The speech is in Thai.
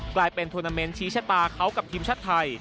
กลายเป็นทวนาเมนต์ชี้ชะตาเขากับทีมชาติไทย